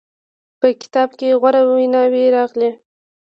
په کتاب کې غوره ویناوې راغلې.